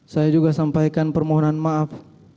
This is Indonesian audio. saya juga sampaikan permohonan maaf